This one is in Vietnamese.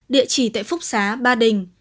địa chỉ tại phúc xá ba đình